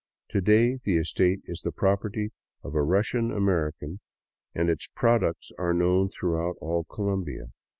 To day the estate is the property of Russian Ameri cans, and its products are known throughout all Colombia.